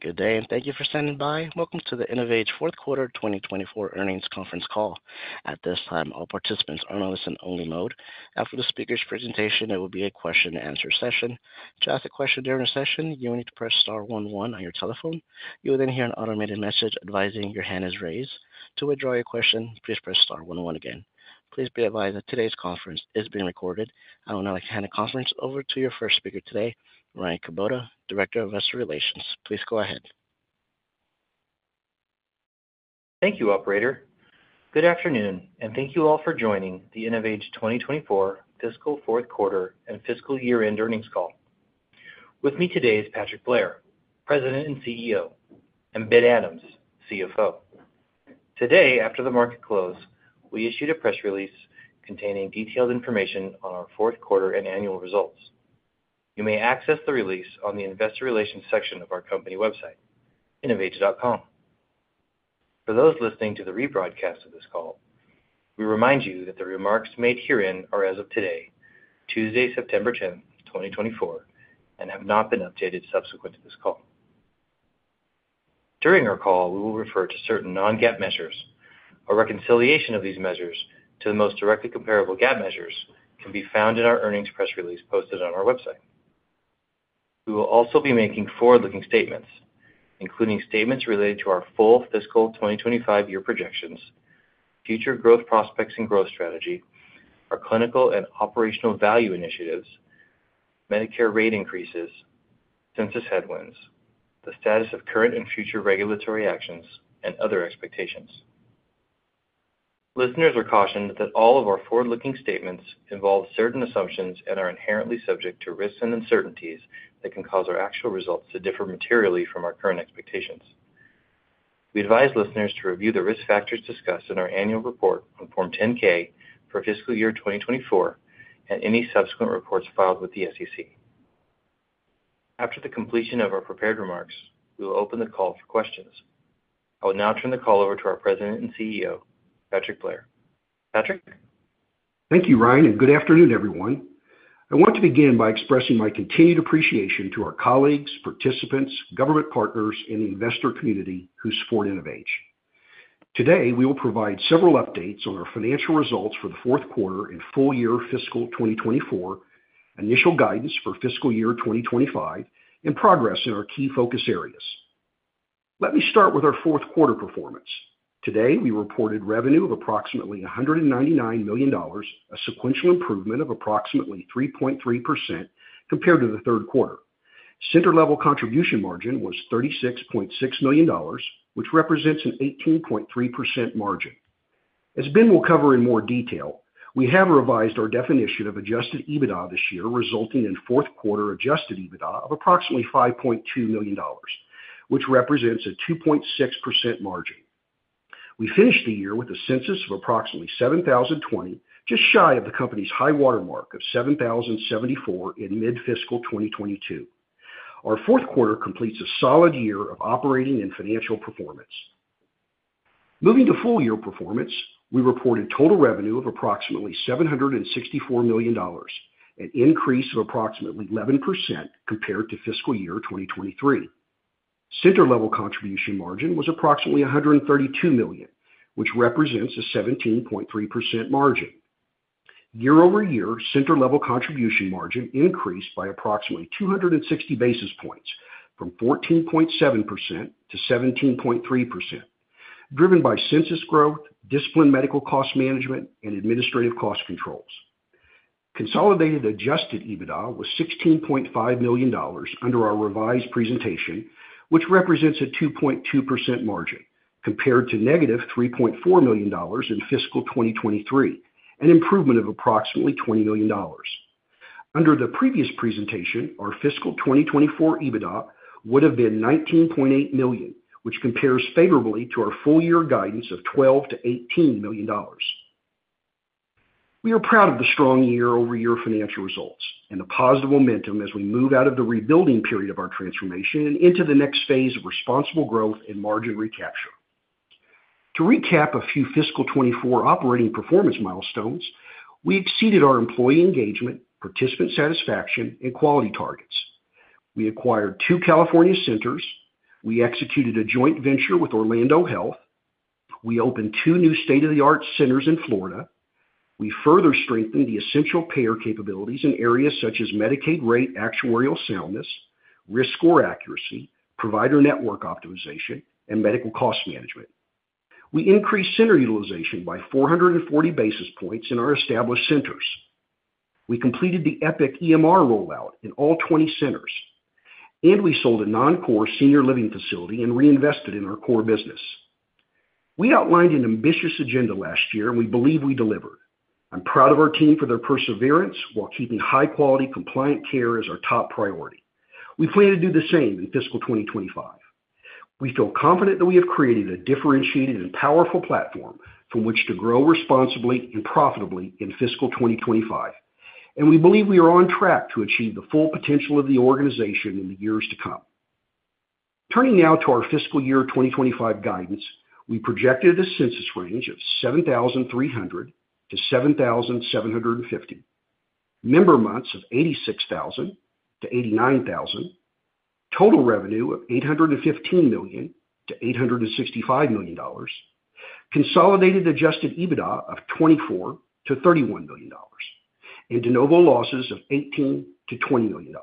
Good day, and thank you for standing by. Welcome to the InnovAge Q4 2024 Earnings Conference Call. At this time, all participants are in a listen-only mode. After the speaker's presentation, there will be a question-and-answer session. To ask a question during the session, you will need to press star one one on your telephone. You will then hear an automated message advising your hand is raised. To withdraw your question, please press star one one again. Please be advised that today's conference is being recorded. I would now like to hand the conference over to your first speaker today, Ryan Kubota, Director of Investor Relations. Please go ahead. Thank you, operator. Good afternoon, and thank you all for joining the InnovAge 2024 Fiscal Q4 and Fiscal Year-End Earnings Call. With me today is Patrick Blair, President and CEO, and Ben Adams, CFO. Today, after the market closed, we issued a press release containing detailed information on our Q4 and annual results. You may access the release on the Investor Relations section of our company website, innovage.com. For those listening to the rebroadcast of this call, we remind you that the remarks made herein are as of today, Tuesday, September tenth, 2024, and have not been updated subsequent to this call. During our call, we will refer to certain non-GAAP measures. A reconciliation of these measures to the most directly comparable GAAP measures can be found in our earnings press release posted on our website. We will also be making forward-looking statements, including statements related to our full fiscal 2025 year projections, future growth prospects and growth strategy, our clinical and operational value initiatives, Medicare rate increases, census headwinds, the status of current and future regulatory actions, and other expectations. Listeners are cautioned that all of our forward-looking statements involve certain assumptions and are inherently subject to risks and uncertainties that can cause our actual results to differ materially from our current expectations. We advise listeners to review the risk factors discussed in our annual report on Form 10-K for fiscal year 2024 and any subsequent reports filed with the SEC. After the completion of our prepared remarks, we will open the call for questions. I will now turn the call over to our President and CEO, Patrick Blair. Patrick? Thank you, Ryan, and good afternoon, everyone. I want to begin by expressing my continued appreciation to our colleagues, participants, government partners, and the investor community who support InnovAge. Today, we will provide several updates on our financial results for the Q4 and full year fiscal 2024, initial guidance for fiscal year 2025, and progress in our key focus areas. Let me start with our Q4 performance. Today, we reported revenue of approximately $199 million, a sequential improvement of approximately 3.3% compared to the Q3. Center level contribution margin was $36.6 million, which represents an 18.3% margin. As Ben will cover in more detail, we have revised our definition of adjusted EBITDA this year, resulting in Q4 adjusted EBITDA of approximately $5.2 million, which represents a 2.6% margin. We finished the year with a census of approximately 7,020, just shy of the company's high watermark of 7,074 in mid-fiscal 2022. Our Q4 completes a solid year of operating and financial performance. Moving to full year performance, we reported total revenue of approximately $764 million, an increase of approximately 11% compared to fiscal year 2023. Center level contribution margin was approximately $132 million, which represents a 17.3% margin. Year over year, center level contribution margin increased by approximately 260 basis points, from 14.7% to 17.3%, driven by census growth, disciplined medical cost management, and administrative cost controls. Consolidated Adjusted EBITDA was $16.5 million under our revised presentation, which represents a 2.2% margin compared to -$3.4 million in fiscal 2023, an improvement of approximately $20 million. Under the previous presentation, our fiscal 2024 EBITDA would have been $19.8 million, which compares favorably to our full year guidance of $12 million-$18 million. We are proud of the strong year-over-year financial results and the positive momentum as we move out of the rebuilding period of our transformation and into the next phase of responsible growth and margin recapture. To recap a few fiscal 2024 operating performance milestones, we exceeded our employee engagement, participant satisfaction, and quality targets. We acquired two California centers. We executed a joint venture with Orlando Health. We opened two new state-of-the-art centers in Florida. We further strengthened the essential payer capabilities in areas such as Medicaid rate, actuarial soundness, risk score accuracy, provider network optimization, and medical cost management. We increased center utilization by 440 basis points in our established centers. We completed the Epic EMR rollout in all 20 centers, and we sold a non-core senior living facility and reinvested in our core business. We outlined an ambitious agenda last year, and we believe we delivered. I'm proud of our team for their perseverance while keeping high-quality, compliant care as our top priority. We plan to do the same in fiscal 2025. We feel confident that we have created a differentiated and powerful platform from which to grow responsibly and profitably in fiscal 2025, and we believe we are on track to achieve the full potential of the organization in the years to come. Turning now to our fiscal year 2025 guidance. We project a census range of 7,300-7,750 member months of 86,000-89,000, total revenue of $815 million-$865 million, consolidated Adjusted EBITDA of $24-$31 million, and de novo losses of $18-$20 million.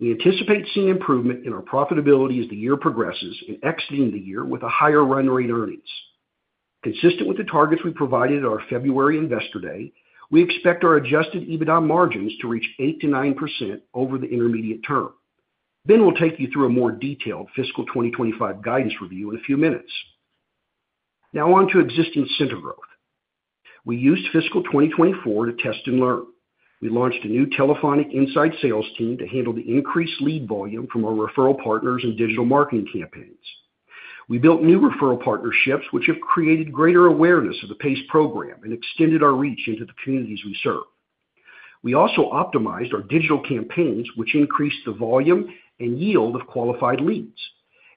We anticipate seeing improvement in our profitability as the year progresses and exiting the year with a higher run rate earnings. Consistent with the targets we provided at our February Investor Day, we expect our Adjusted EBITDA margins to reach 8%-9% over the intermediate term. Ben will take you through a more detailed fiscal 2025 guidance review in a few minutes. Now on to existing center growth. We used fiscal 2024 to test and learn. We launched a new telephonic inside sales team to handle the increased lead volume from our referral partners and digital marketing campaigns. We built new referral partnerships, which have created greater awareness of the PACE program and extended our reach into the communities we serve. We also optimized our digital campaigns, which increased the volume and yield of qualified leads,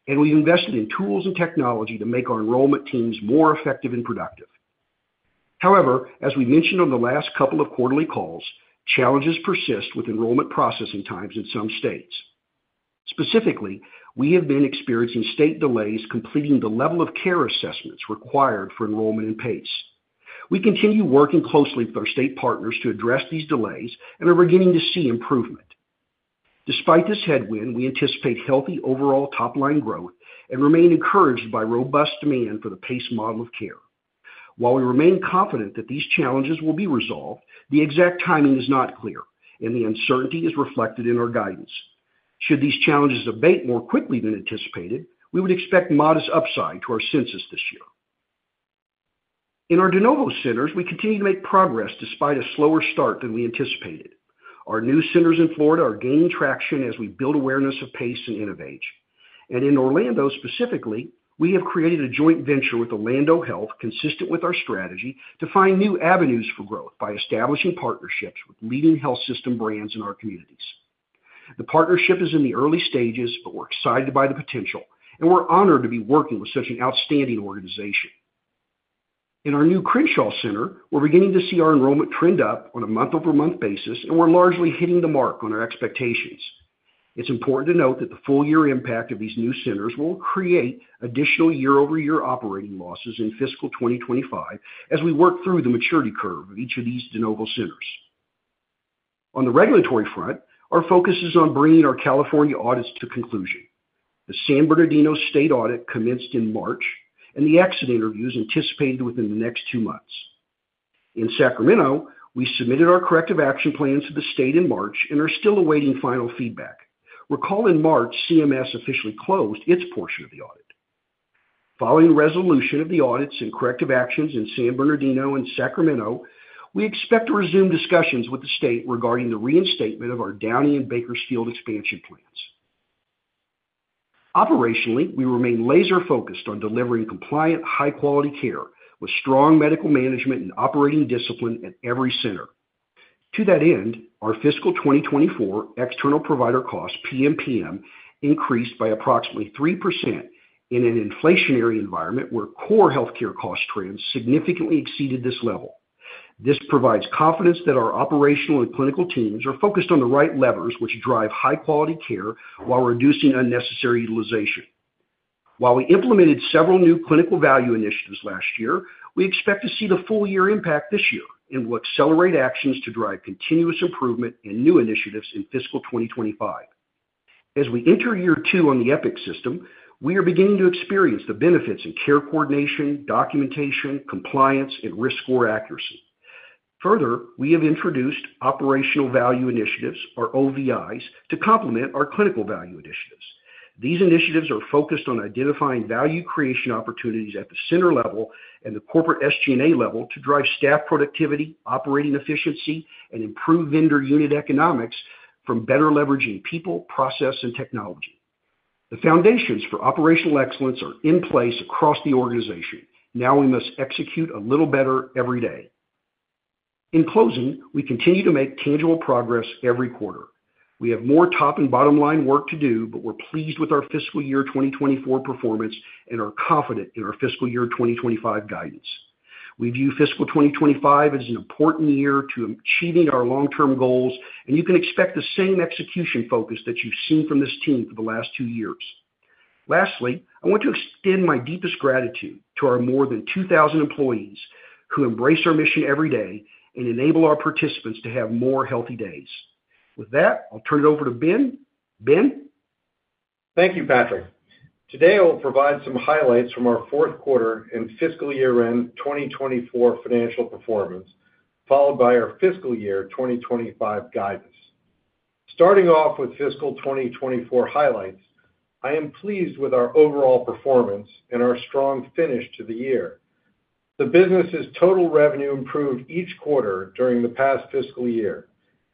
and we invested in tools and technology to make our enrollment teams more effective and productive. However, as we mentioned on the last couple of quarterly calls, challenges persist with enrollment processing times in some states. Specifically, we have been experiencing state delays completing the level of care assessments required for enrollment in PACE. We continue working closely with our state partners to address these delays and are beginning to see improvement. Despite this headwind, we anticipate healthy overall top-line growth and remain encouraged by robust demand for the PACE model of care. While we remain confident that these challenges will be resolved, the exact timing is not clear, and the uncertainty is reflected in our guidance. Should these challenges abate more quickly than anticipated, we would expect modest upside to our census this year. In our de novo centers, we continue to make progress despite a slower start than we anticipated. Our new centers in Florida are gaining traction as we build awareness of PACE and InnovAge. In Orlando, specifically, we have created a joint venture with Orlando Health, consistent with our strategy to find new avenues for growth by establishing partnerships with leading health system brands in our communities. The partnership is in the early stages, but we're excited by the potential, and we're honored to be working with such an outstanding organization. In our new Crenshaw Center, we're beginning to see our enrollment trend up on a month-over-month basis, and we're largely hitting the mark on our expectations. It's important to note that the full year impact of these new centers will create additional year-over-year operating losses in fiscal 2025 as we work through the maturity curve of each of these de novo centers. On the regulatory front, our focus is on bringing our California audits to conclusion. The San Bernardino state audit commenced in March, and the exit interview is anticipated within the next two months. In Sacramento, we submitted our corrective action plan to the state in March and are still awaiting final feedback. Recall in March, CMS officially closed its portion of the audit. Following resolution of the audits and corrective actions in San Bernardino and Sacramento, we expect to resume discussions with the state regarding the reinstatement of our Downey and Bakersfield expansion plans. Operationally, we remain laser-focused on delivering compliant, high-quality care, with strong medical management and operating discipline at every center. To that end, our fiscal 2024 external provider costs, PMPM, increased by approximately 3% in an inflationary environment where core healthcare cost trends significantly exceeded this level. This provides confidence that our operational and clinical teams are focused on the right levers, which drive high-quality care while reducing unnecessary utilization. While we implemented several new clinical value initiatives last year, we expect to see the full year impact this year, and we'll accelerate actions to drive continuous improvement and new initiatives in fiscal 2025. As we enter year two on the Epic system, we are beginning to experience the benefits in care coordination, documentation, compliance, and risk score accuracy. Further, we have introduced operational value initiatives, or OVIs, to complement our clinical value initiatives. These initiatives are focused on identifying value creation opportunities at the center level and the corporate SG&A level to drive staff productivity, operating efficiency, and improve vendor unit economics from better leveraging people, process, and technology. The foundations for operational excellence are in place across the organization. Now we must execute a little better every day. In closing, we continue to make tangible progress every quarter. We have more top and bottom-line work to do, but we're pleased with our fiscal year 2024 performance and are confident in our fiscal year 2025 guidance. We view fiscal 2025 as an important year to achieving our long-term goals, and you can expect the same execution focus that you've seen from this team for the last two years. Lastly, I want to extend my deepest gratitude to our more than 2,000 employees who embrace our mission every day and enable our participants to have more healthy days. With that, I'll turn it over to Ben. Ben? Thank you, Patrick. Today, I'll provide some highlights from our Q4 and fiscal year-end 2024 financial performance, followed by our fiscal year 2025 guidance. Starting off with fiscal 2024 highlights, I am pleased with our overall performance and our strong finish to the year. The business's total revenue improved each quarter during the past fiscal year,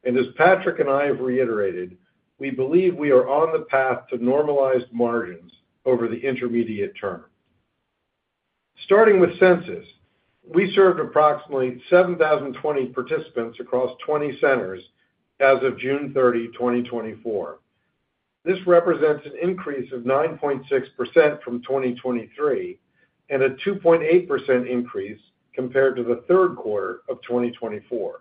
and as Patrick and I have reiterated, we believe we are on the path to normalized margins over the intermediate term. Starting with census, we served approximately 7,020 participants across 20 centers as of June 30, 2024. This represents an increase of 9.6% from 2023, and a 2.8% increase compared to the Q3 of 2024.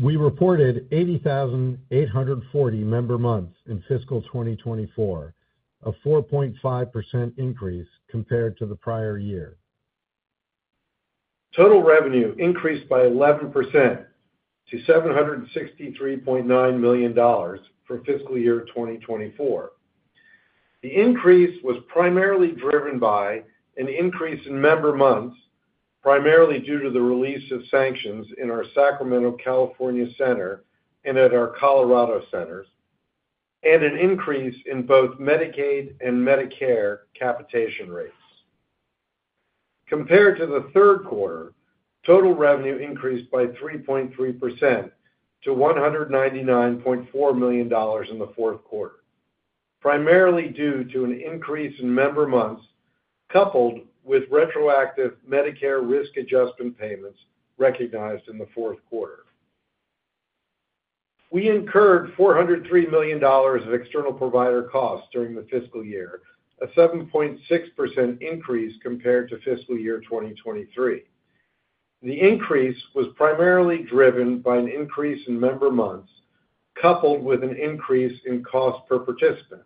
We reported 80,800 member months in fiscal 2024, a 4.5% increase compared to the prior year. Total revenue increased by 11% to $763.9 million for fiscal year 2024. The increase was primarily driven by an increase in member months, primarily due to the release of sanctions in our Sacramento, California center and at our Colorado centers, and an increase in both Medicaid and Medicare capitation rates. Compared to the Q3, total revenue increased by 3.3% to $199.4 million in the Q4, primarily due to an increase in member months, coupled with retroactive Medicare risk adjustment payments recognized in the Q4. We incurred $403 million of external provider costs during the fiscal year, a 7.6% increase compared to fiscal year 2023. The increase was primarily driven by an increase in member months, coupled with an increase in cost per participant.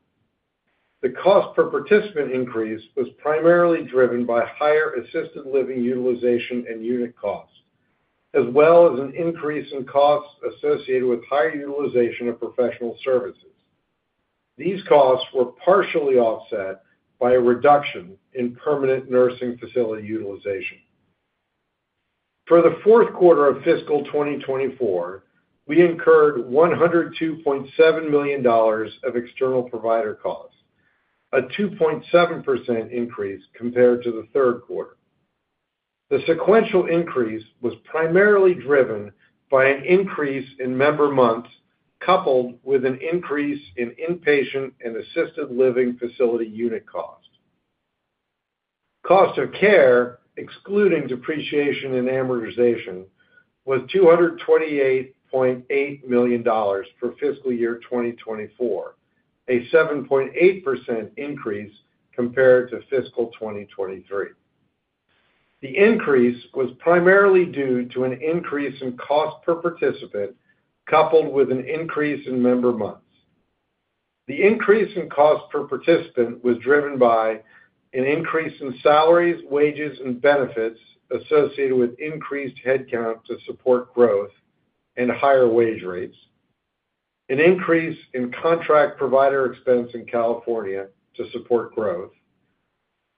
The cost per participant increase was primarily driven by higher assisted living utilization and unit costs, as well as an increase in costs associated with higher utilization of professional services. These costs were partially offset by a reduction in permanent nursing facility utilization. For the Q4 of fiscal 2024, we incurred $102.7 million of external provider costs, a 2.7% increase compared to the Q3. The sequential increase was primarily driven by an increase in member months, coupled with an increase in inpatient and assisted living facility unit costs. Cost of care, excluding depreciation and amortization, was $228.8 million for fiscal year 2024, a 7.8% increase compared to fiscal year 2023. The increase was primarily due to an increase in cost per participant, coupled with an increase in member months. The increase in cost per participant was driven by an increase in salaries, wages, and benefits associated with increased headcount to support growth and higher wage rates. An increase in contract provider expense in California to support growth,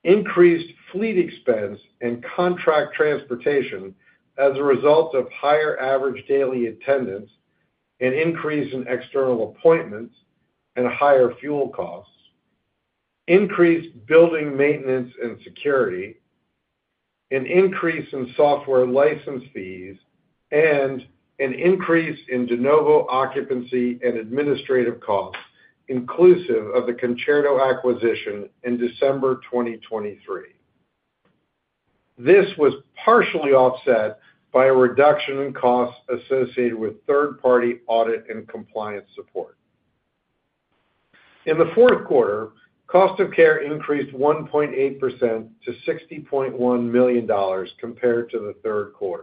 increased fleet expense and contract transportation as a result of higher average daily attendance, an increase in external appointments and higher fuel costs, increased building maintenance and security, an increase in software license fees, and an increase in de novo occupancy and administrative costs, inclusive of the Concerto acquisition in December 2023. This was partially offset by a reduction in costs associated with third-party audit and compliance support. In the Q4, cost of care increased 1.8% to $60.1 million compared to the Q3.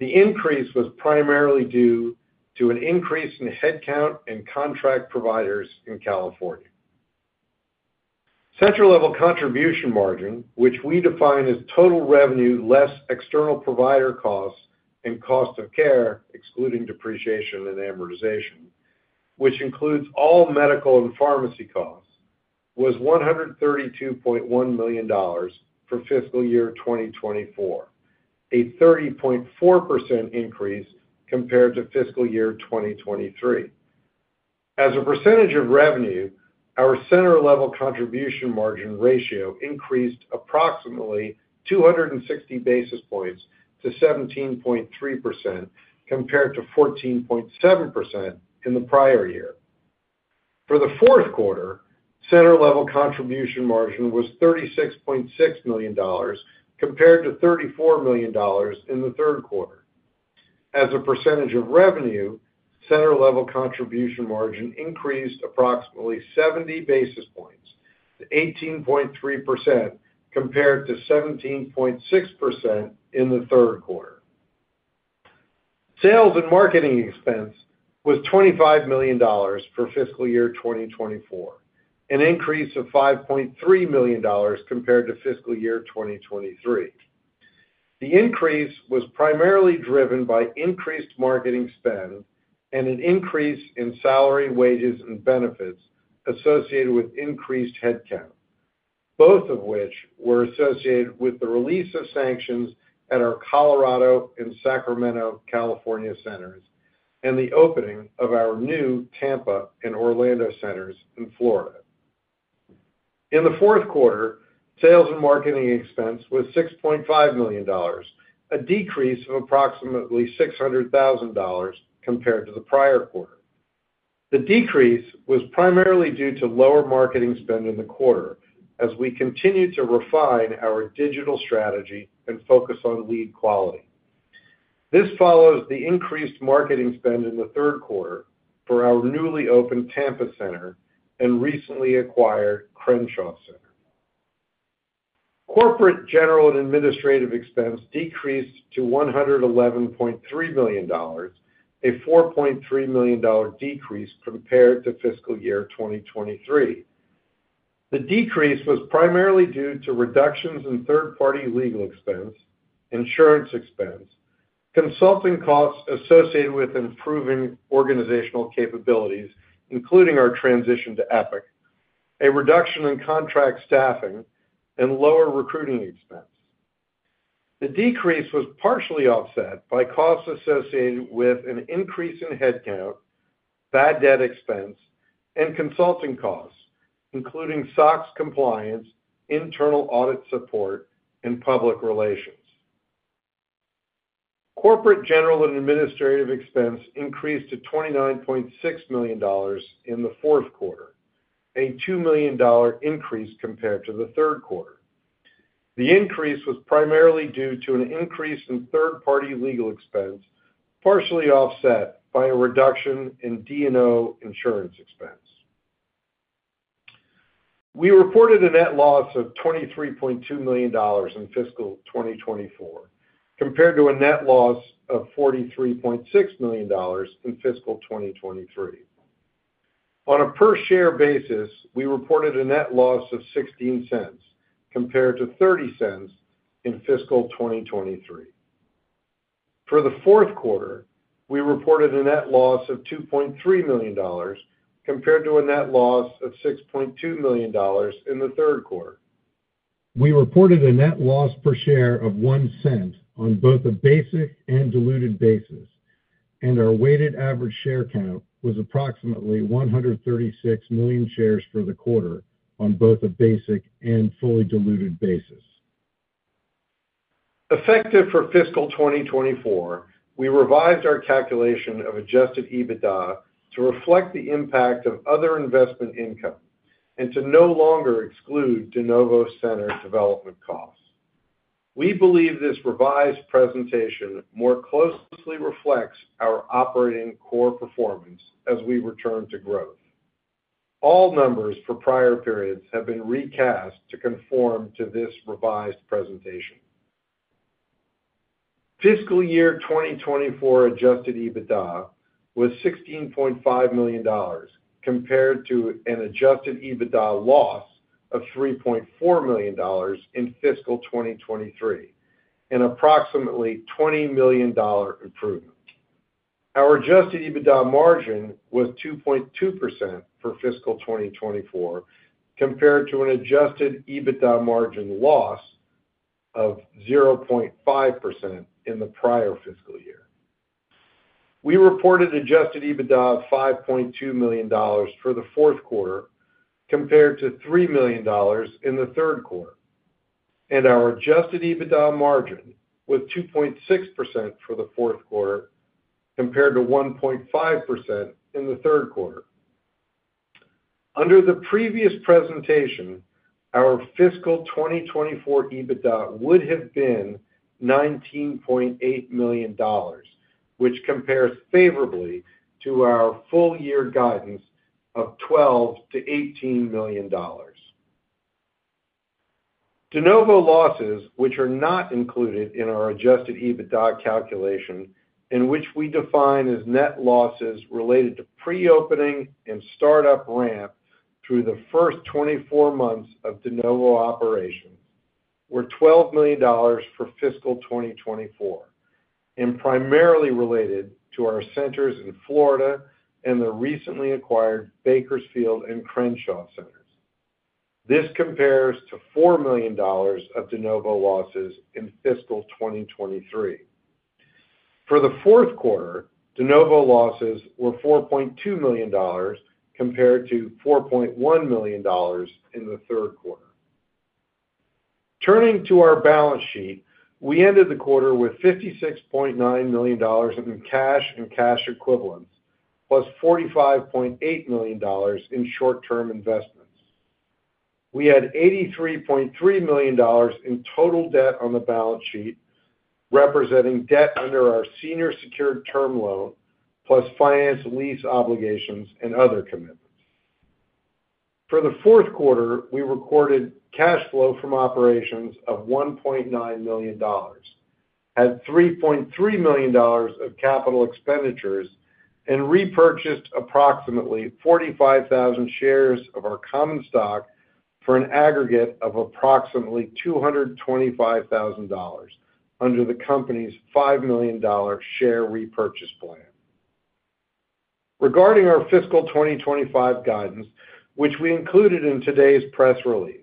The increase was primarily due to an increase in headcount and contract providers in California. Center level contribution margin, which we define as total revenue, less external provider costs and cost of care, excluding depreciation and amortization, which includes all medical and pharmacy costs, was $132.1 million for fiscal year 2024, a 30.4% increase compared to fiscal year 2023. As a percentage of revenue, our center level contribution margin ratio increased approximately 260 basis points to 17.3%, compared to 14.7% in the prior year. For the Q4, center level contribution margin was $36.6 million, compared to $34 million in the Q3. As a percentage of revenue, center level contribution margin increased approximately 70 basis points to 18.3%, compared to 17.6% in the Q3. Sales and marketing expense was $25 million for fiscal year 2024, an increase of $5.3 million compared to fiscal year 2023. The increase was primarily driven by increased marketing spend and an increase in salary, wages, and benefits associated with increased headcount, both of which were associated with the release of sanctions at our Colorado and Sacramento, California centers, and the opening of our new Tampa and Orlando centers in Florida. In the Q4, sales and marketing expense was $6.5 million, a decrease of approximately $600,000 compared to the prior quarter. The decrease was primarily due to lower marketing spend in the quarter as we continued to refine our digital strategy and focus on lead quality. This follows the increased marketing spend in the Q3 for our newly opened Tampa center and recently acquired Crenshaw Center. Corporate, general, and administrative expense decreased to $111.3 million, a $4.3 million decrease compared to fiscal year 2023. The decrease was primarily due to reductions in third-party legal expense, insurance expense, consulting costs associated with improving organizational capabilities, including our transition to Epic, a reduction in contract staffing, and lower recruiting expense. The decrease was partially offset by costs associated with an increase in headcount, bad debt expense, and consulting costs, including SOX compliance, internal audit support, and public relations. Corporate, general, and administrative expense increased to $29.6 million in the Q4, a $2 million increase compared to the Q3. The increase was primarily due to an increase in third-party legal expense, partially offset by a reduction in D&O insurance expense. We reported a net loss of $23.2 million in fiscal 2024, compared to a net loss of $43.6 million in fiscal 2023. On a per-share basis, we reported a net loss of $0.16, compared to $0.30 in fiscal 2023. For the Q4, we reported a net loss of $2.3 million, compared to a net loss of $6.2 million in the Q3. We reported a net loss per share of $0.01 on both a basic and diluted basis, and our weighted average share count was approximately 136 million shares for the quarter on both a basic and fully diluted basis. Effective for fiscal 2024, we revised our calculation of Adjusted EBITDA to reflect the impact of other investment income and to no longer exclude de novo center development costs. We believe this revised presentation more closely reflects our operating core performance as we return to growth. All numbers for prior periods have been recast to conform to this revised presentation. Fiscal year 2024 adjusted EBITDA was $16.5 million, compared to an adjusted EBITDA loss of $3.4 million in fiscal 2023, an approximately $20 million improvement. Our adjusted EBITDA margin was 2.2% for fiscal 2024, compared to an adjusted EBITDA margin loss of 0.5% in the prior fiscal year. We reported adjusted EBITDA of $5.2 million for the Q4, compared to $3 million in the Q3, and our adjusted EBITDA margin was 2.6% for the Q4, compared to 1.5% in the Q3. Under the previous presentation, our fiscal 2024 EBITDA would have been $19.8 million, which compares favorably to our full-year guidance of $12 million to $18 million. De novo losses, which are not included in our Adjusted EBITDA calculation, and which we define as net losses related to pre-opening and startup ramp through the first twenty-four months of de novo operations, were $12 million for fiscal 2024 and primarily related to our centers in Florida and the recently acquired Bakersfield and Crenshaw centers. This compares to $4 million of de novo losses in fiscal 2023. For the Q4, de novo losses were $4.2 million, compared to $4.1 million in the Q3. Turning to our balance sheet, we ended the quarter with $56.9 million in cash and cash equivalents, plus $45.8 million in short-term investments. We had $83.3 million in total debt on the balance sheet, representing debt under our senior secured term loan, plus finance lease obligations and other commitments. For the Q4, we recorded cash flow from operations of $1.9 million, had $3.3 million of capital expenditures, and repurchased approximately 45,000 shares of our common stock for an aggregate of approximately $225,000 under the company's $5 million share repurchase plan. Regarding our fiscal 2025 guidance, which we included in today's press release,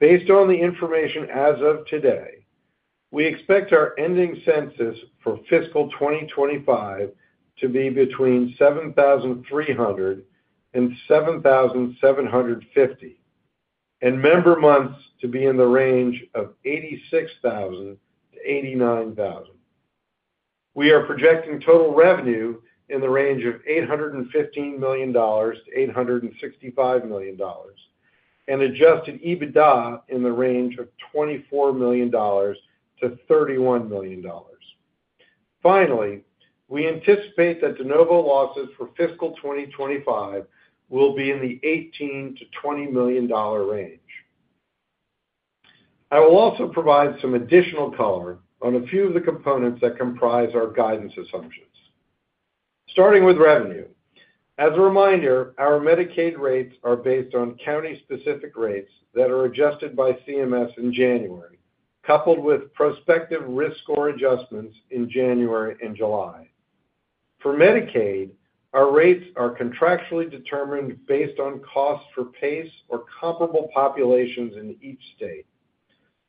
based on the information as of today, we expect our ending census for fiscal 2025 to be between 7,300 and 7,750, and member months to be in the range of 86,000 to 89,000. We are projecting total revenue in the range of $815 million-$865 million and adjusted EBITDA in the range of $24 million-$31 million. Finally, we anticipate that de novo losses for fiscal 2025 will be in the $18 million-$20 million range. I will also provide some additional color on a few of the components that comprise our guidance assumptions. Starting with revenue. As a reminder, our Medicaid rates are based on county-specific rates that are adjusted by CMS in January, coupled with prospective risk score adjustments in January and July. For Medicaid, our rates are contractually determined based on cost for PACE or comparable populations in each state.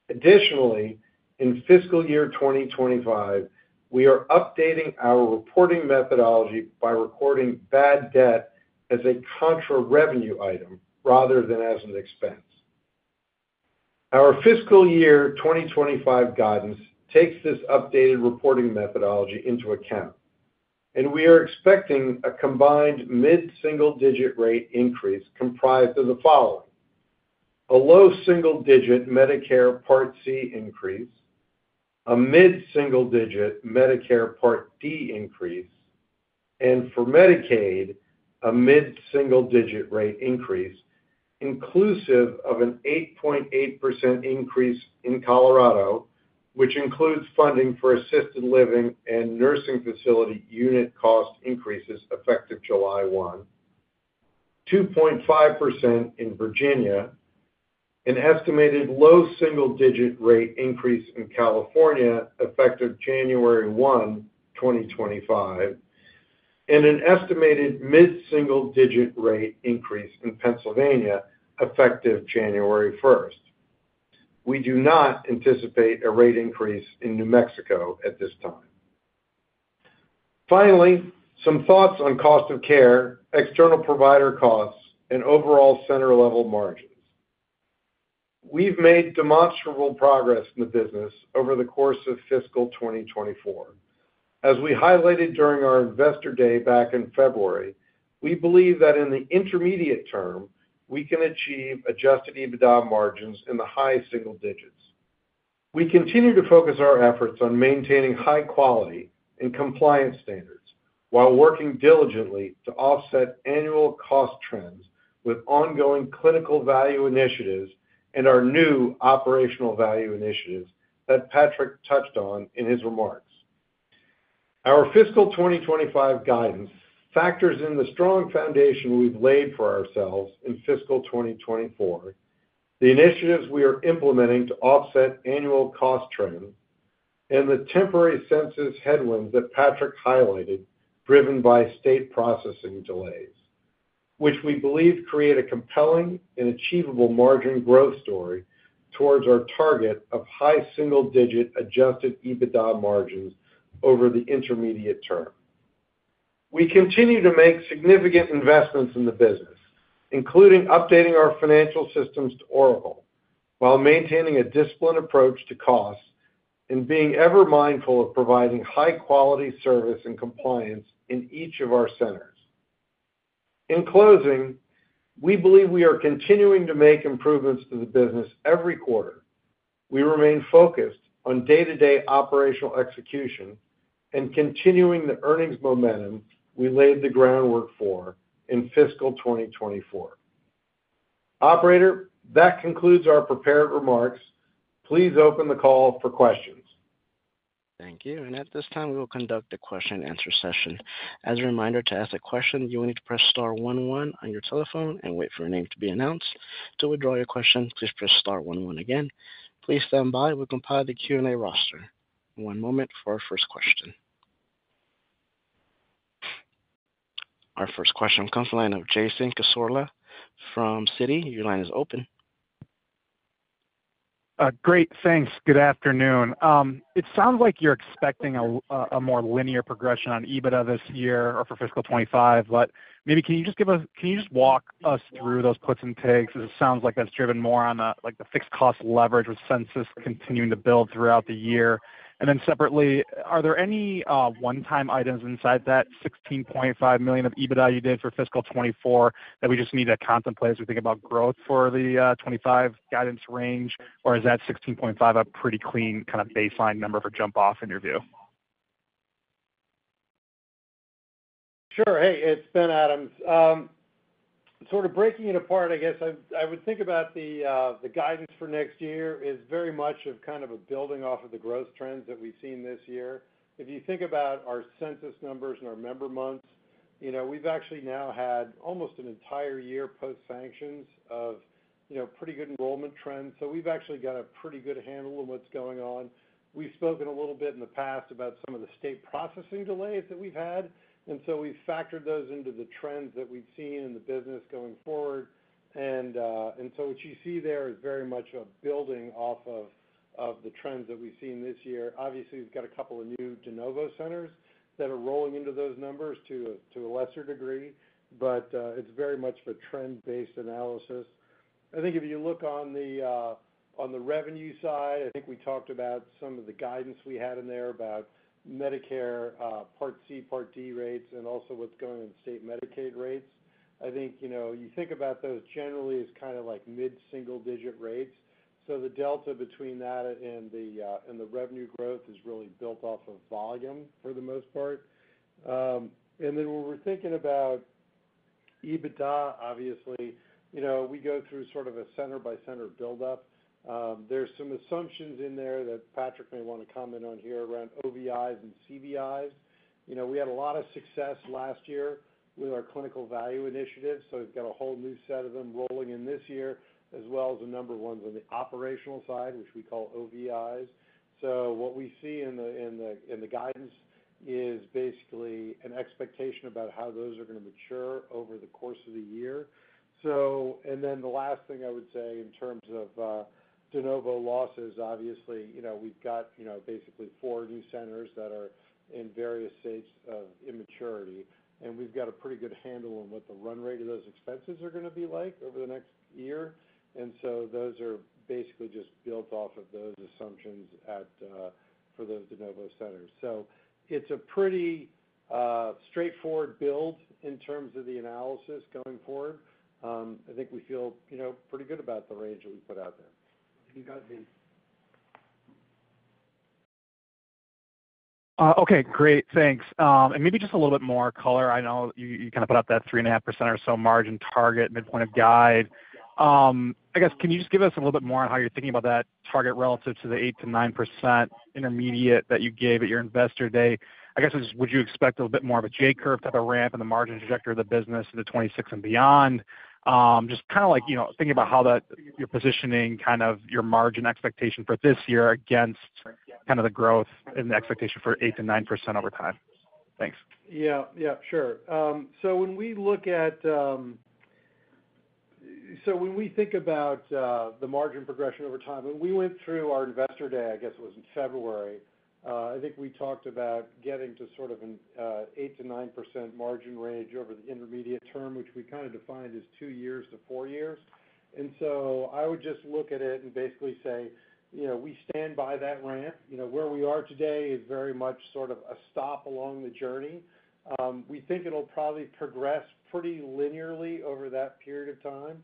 Additionally, in fiscal year 2025, we are updating our reporting methodology by recording bad debt as a contra revenue item rather than as an expense. Our fiscal year 2025 guidance takes this updated reporting methodology into account, and we are expecting a combined mid-single-digit rate increase comprised of the following: A low single-digit Medicare Part C increase, a mid-single-digit Medicare Part D increase, and for Medicaid, a mid-single-digit rate increase, inclusive of an 8.8% increase in Colorado, which includes funding for assisted living and nursing facility unit cost increases effective July 1, 2.5% in Virginia, an estimated low single-digit rate increase in California effective January 1, 2025, and an estimated mid-single-digit rate increase in Pennsylvania effective January 1. We do not anticipate a rate increase in New Mexico at this time. Finally, some thoughts on cost of care, external provider costs, and overall center-level margins. We've made demonstrable progress in the business over the course of fiscal 2024. As we highlighted during our Investor Day back in February, we believe that in the intermediate term, we can achieve Adjusted EBITDA margins in the high single digits. We continue to focus our efforts on maintaining high quality and compliance standards while working diligently to offset annual cost trends with ongoing clinical value initiatives and our new operational value initiatives that Patrick touched on in his remarks. Our fiscal 2025 guidance factors in the strong foundation we've laid for ourselves in fiscal 2024, the initiatives we are implementing to offset annual cost trends, and the temporary census headwinds that Patrick highlighted, driven by state processing delays, which we believe create a compelling and achievable margin growth story towards our target of high single-digit Adjusted EBITDA margins over the intermediate term. We continue to make significant investments in the business, including updating our financial systems to Oracle, while maintaining a disciplined approach to costs and being ever mindful of providing high-quality service and compliance in each of our centers. In closing, we believe we are continuing to make improvements to the business every quarter. We remain focused on day-to-day operational execution and continuing the earnings momentum we laid the groundwork for in fiscal 2024. Operator, that concludes our prepared remarks. Please open the call for questions. Thank you, and at this time, we will conduct a question-and-answer session. As a reminder, to ask a question, you will need to press star one one on your telephone and wait for your name to be announced. To withdraw your question, please press star one one again. Please stand by. We'll compile the Q&A roster. One moment for our first question. Our first question comes from the line of Jason Cassorla from Citi. Your line is open. Great, thanks. Good afternoon. It sounds like you're expecting a more linear progression on EBITDA this year or for fiscal 2025, but maybe can you just walk us through those puts and takes? It sounds like that's driven more on the, like, the fixed cost leverage with census continuing to build throughout the year, and then separately, are there any one-time items inside that $16.5 million of EBITDA you did for fiscal 2024 that we just need to contemplate as we think about growth for the 2025 guidance range? Or is that $16.5 million a pretty clean kind of baseline number for jump off in your view? Sure. Hey, it's Ben Adams. Sort of breaking it apart, I guess I would think about the guidance for next year is very much of kind of a building off of the growth trends that we've seen this year. If you think about our census numbers and our member months, you know, we've actually now had almost an entire year post-sanctions of, you know, pretty good enrollment trends. So we've actually got a pretty good handle on what's going on. We've spoken a little bit in the past about some of the state processing delays that we've had, and so we've factored those into the trends that we've seen in the business going forward. And so what you see there is very much a building off of the trends that we've seen this year. Obviously, we've got a couple of new de novo centers that are rolling into those numbers to a lesser degree, but it's very much of a trend-based analysis. I think if you look on the revenue side, I think we talked about some of the guidance we had in there about Medicare Part C, Part D rates, and also what's going on in state Medicaid rates. I think, you know, you think about those generally as kind of like mid-single digit rates. So the delta between that and the revenue growth is really built off of volume for the most part, and then when we're thinking about EBITDA, obviously, you know, we go through sort of a center-by-center buildup. There's some assumptions in there that Patrick may want to comment on here around OVIs and CVIs. You know, we had a lot of success last year with our clinical value initiatives, so we've got a whole new set of them rolling in this year, as well as the new ones on the operational side, which we call OVIs. So what we see in the guidance is basically an expectation about how those are gonna mature over the course of the year. And then the last thing I would say in terms of de novo losses, obviously, you know, we've got, you know, basically four new centers that are in various states of immaturity, and we've got a pretty good handle on what the run rate of those expenses are gonna be like over the next year. And so those are basically just built off of those assumptions at for those de novo centers. It's a pretty straightforward build in terms of the analysis going forward. I think we feel, you know, pretty good about the range that we put out there. You got it. Okay, great. Thanks, and maybe just a little bit more color. I know you kind of put out that 3.5% or so margin target, midpoint of guide. I guess, can you just give us a little bit more on how you're thinking about that target relative to the 8%-9% intermediate that you gave at your Investor Day? I guess, just would you expect a little bit more of a J-curve type of ramp in the margin trajectory of the business into 2026 and beyond? Just kind of like, you know, thinking about how that, you're positioning, kind of, your margin expectation for this year against kind of the growth and the expectation for 8%-9% over time. Thanks. Yeah, yeah, sure. So when we think about the margin progression over time, when we went through our Investor Day, I guess it was in February. I think we talked about getting to sort of an 8%-9% margin range over the intermediate term, which we kind of defined as two years to four years, and so I would just look at it and basically say, you know, we stand by that ramp. You know, where we are today is very much sort of a stop along the journey. We think it'll probably progress pretty linearly over that period of time.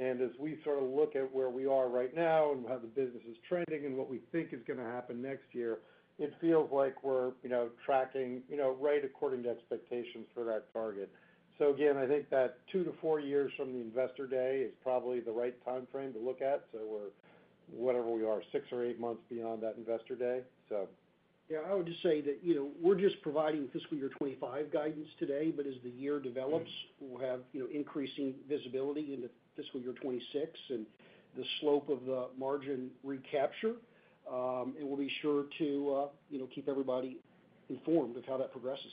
And as we sort of look at where we are right now and how the business is trending and what we think is gonna happen next year, it feels like we're, you know, tracking, you know, right according to expectations for that target. So again, I think that two to four years from the Investor Day is probably the right timeframe to look at. So we're, whatever we are, six or eight months beyond that Investor Day, so. Yeah, I would just say that, you know, we're just providing fiscal year 2025 guidance today, but as the year develops, we'll have, you know, increasing visibility into fiscal year 2026 and the slope of the margin recapture. And we'll be sure to, you know, keep everybody informed of how that progresses.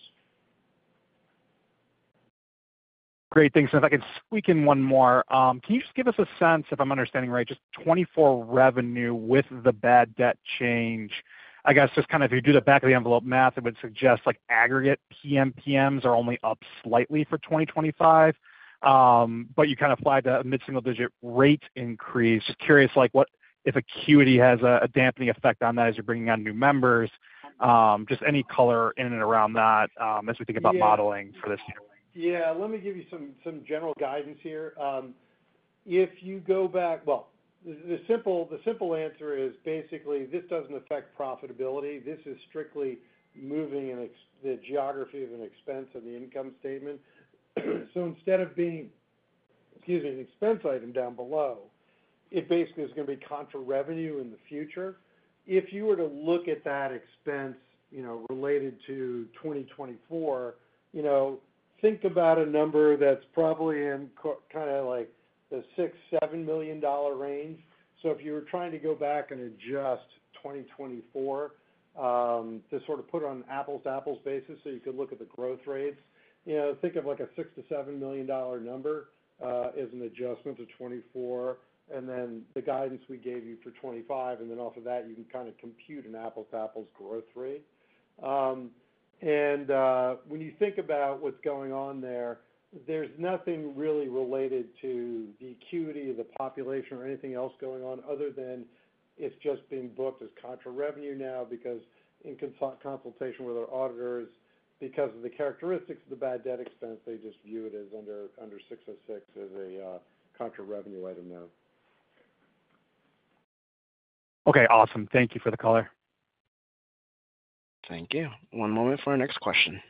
Great, thanks. So if I can squeak in one more, can you just give us a sense, if I'm understanding right, just 2024 revenue with the bad debt change? I guess, just kind of if you do the back of the envelope math, it would suggest, like, aggregate PMPMs are only up slightly for 2025, but you kind of applied a mid-single digit rate increase. Just curious, like, what if acuity has a dampening effect on that as you're bringing on new members, just any color in and around that, as we think about modeling for this year? Yeah, let me give you some general guidance here. The simple answer is, basically, this doesn't affect profitability. This is strictly moving the geography of an expense on the income statement. So instead of being, excuse me, an expense item down below, it basically is gonna be contra revenue in the future. If you were to look at that expense, you know, related to 2024, you know, think about a number that's probably kind of like the $6-$7 million range. So if you were trying to go back and adjust 2024, to sort of put it on an apples-to-apples basis, so you could look at the growth rates, you know, think of like a $6-$7 million number, as an adjustment to 2024, and then the guidance we gave you for 2025, and then off of that, you can kind of compute an apples-to-apples growth rate. And when you think about what's going on there, there's nothing really related to the acuity of the population or anything else going on, other than it's just being booked as contra revenue now, because in consultation with our auditors, because of the characteristics of the bad debt expense, they just view it as under 606 as a contra revenue item now. Okay, awesome. Thank you for the color. Thank you. One moment for our next question.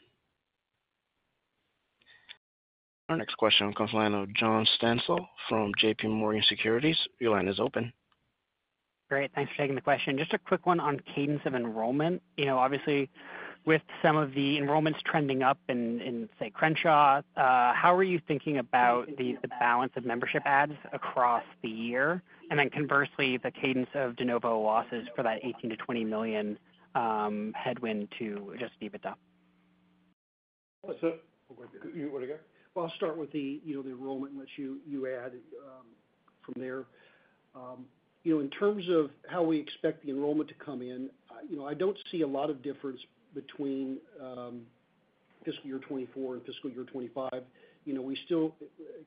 Our next question comes from the line of John Stansel from J.P. Morgan Securities. Your line is open. Great. Thanks for taking the question. Just a quick one on cadence of enrollment. You know, obviously, with some of the enrollments trending up in, say, Crenshaw, how are you thinking about the balance of membership adds across the year? And then conversely, the cadence of de novo losses for that 18-20 million headwind to Adjusted EBITDA? You want to go? Well, I'll start with the, you know, the enrollment, unless you add from there. You know, in terms of how we expect the enrollment to come in, you know, I don't see a lot of difference between fiscal year 2024 and fiscal year 2025, you know, we still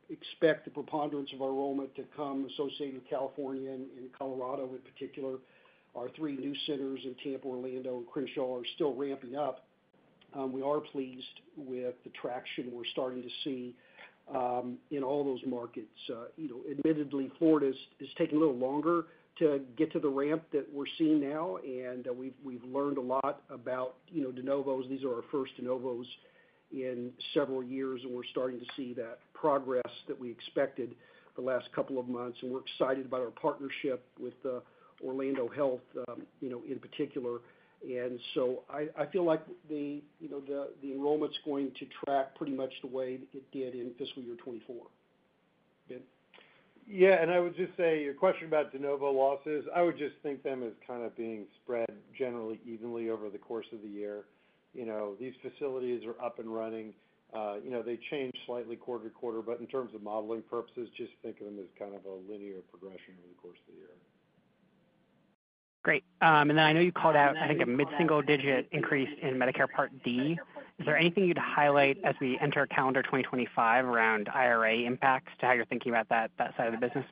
expect the preponderance of our enrollment to come associated with California and Colorado in particular. Our three new centers in Tampa, Orlando, and Crenshaw are still ramping up. We are pleased with the traction we're starting to see in all those markets. You know, admittedly, Florida is taking a little longer to get to the ramp that we're seeing now, and we've learned a lot about, you know, de novos. These are our first de novos in several years, and we're starting to see that progress that we expected the last couple of months, and we're excited about our partnership with Orlando Health, you know, in particular. And so I feel like, you know, the enrollment's going to track pretty much the way it did in fiscal year 2024. Ben? Yeah, and I would just say, your question about de novo losses, I would just think them as kind of being spread generally evenly over the course of the year. You know, these facilities are up and running. You know, they change slightly quarter to quarter, but in terms of modeling purposes, just think of them as kind of a linear progression over the course of the year. Great. And then I know you called out, I think, a mid-single digit increase in Medicare Part D. Is there anything you'd highlight as we enter calendar 2025 around IRA impacts to how you're thinking about that side of the business?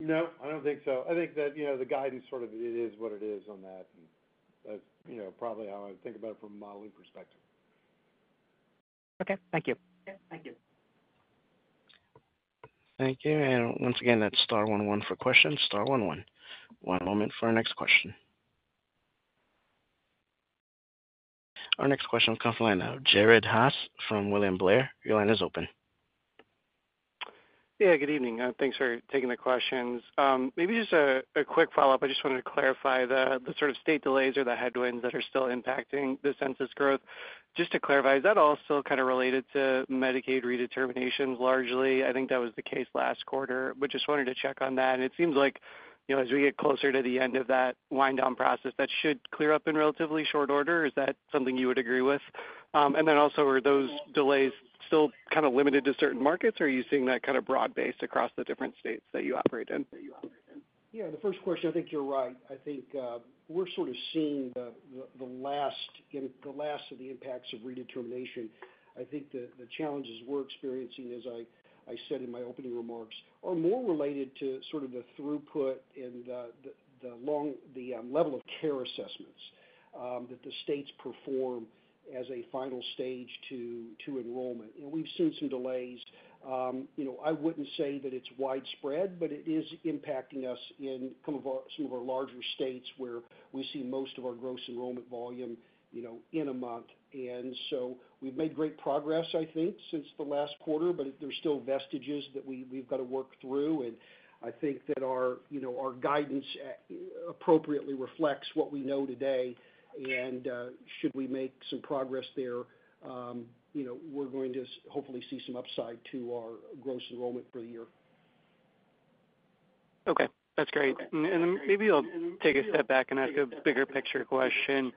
No, I don't think so. I think that, you know, the guidance sort of it is what it is on that. And that's, you know, probably how I would think about it from a modeling perspective. Okay, thank you. Thank you. And once again, that's star one one for questions, star one one. One moment for our next question. Our next question will come from the line of Jared Haase from William Blair. Your line is open. Yeah, good evening, thanks for taking the questions. Maybe just a quick follow-up. I just wanted to clarify the sort of state delays or the headwinds that are still impacting the census growth. Just to clarify, is that all still kind of related to Medicaid redeterminations largely? I think that was the case last quarter, but just wanted to check on that. And it seems like, you know, as we get closer to the end of that wind down process, that should clear up in relatively short order. Is that something you would agree with? And then also, are those delays still kind of limited to certain markets, or are you seeing that kind of broad-based across the different states that you operate in? Yeah, the first question, I think you're right. I think we're sort of seeing the last of the impacts of redetermination. I think the challenges we're experiencing, as I said in my opening remarks, are more related to sort of the throughput and the long level of care assessments that the states perform as a final stage to enrollment, and we've seen some delays. You know, I wouldn't say that it's widespread, but it is impacting us in some of our larger states, where we see most of our gross enrollment volume, you know, in a month. And so we've made great progress, I think, since the last quarter, but there's still vestiges that we've got to work through. And I think that our, you know, our guidance appropriately reflects what we know today. And, should we make some progress there, you know, we're going to hopefully see some upside to our gross enrollment for the year. Okay, that's great, and then maybe I'll take a step back and ask a bigger picture question.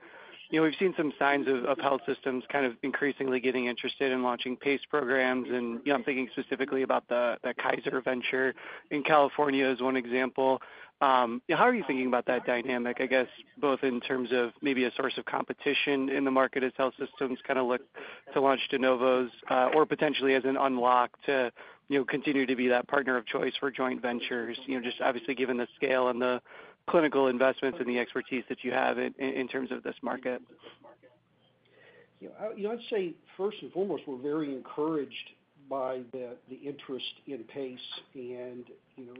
You know, we've seen some signs of health systems kind of increasingly getting interested in launching PACE programs, and, you know, I'm thinking specifically about the Kaiser venture in California as one example. How are you thinking about that dynamic? I guess, both in terms of maybe a source of competition in the market as health systems kind of look to launch de novos, or potentially as an unlock to, you know, continue to be that partner of choice for joint ventures, you know, just obviously given the scale and the clinical investments and the expertise that you have in terms of this market. You know, I'd say, first and foremost, we're very encouraged by the interest in PACE and, you know,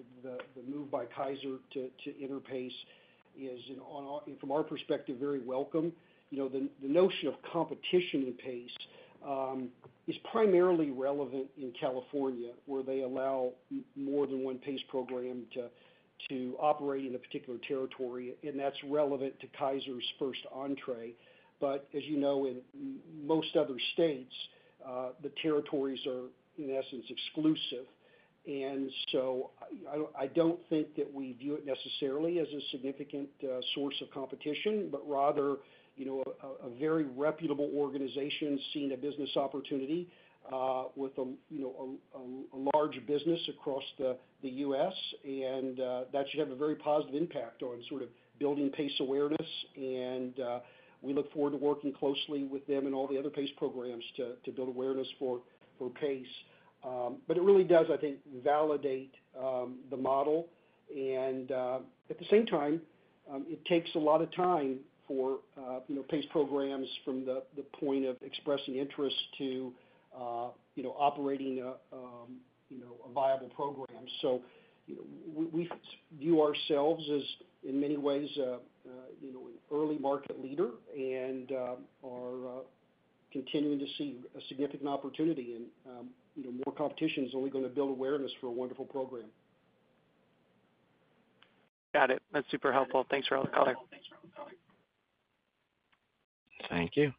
the move by Kaiser to enter PACE is, you know, from our perspective, very welcome. You know, the notion of competition in PACE is primarily relevant in California, where they allow more than one PACE program to operate in a particular territory, and that's relevant to Kaiser's first entry. But as you know, in most other states, the territories are, in essence, exclusive. I don't think that we view it necessarily as a significant source of competition, but rather, you know, a very reputable organization seeing a business opportunity with you know a large business across the U.S., and that should have a very positive impact on sort of building PACE awareness. We look forward to working closely with them and all the other PACE programs to build awareness for PACE. It really does, I think, validate the model. At the same time, it takes a lot of time for you know PACE programs from the point of expressing interest to you know operating a viable program. So, you know, we view ourselves as, in many ways, you know, an early market leader and are continuing to see a significant opportunity. And, you know, more competition is only gonna build awareness for a wonderful program. Got it. That's super helpful. Thanks for all the color. Thank you.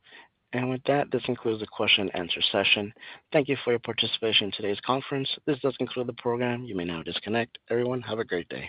And with that, this concludes the question and answer session. Thank you for your participation in today's conference. This does conclude the program. You may now disconnect. Everyone, have a great day.